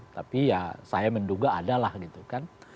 tapi ya saya menduga ada lah gitu kan